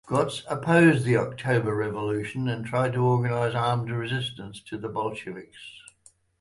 Gots opposed the October Revolution and tried to organize armed resistance to the Bolsheviks.